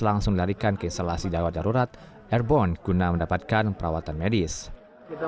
langsung melarikan ke selasi daerah darurat airbon guna mendapatkan perawatan medis kita